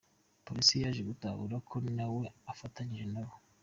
Polisi yaje gutahura ko na we afatanyije nabo.